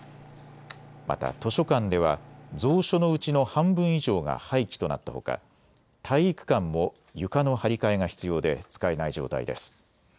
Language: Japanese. また図書館では蔵書のうちの半分以上が廃棄となったほか体育館も床の張り替えが必要で使えない状態です。